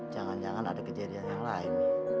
jangan jangan ada kejadian yang lain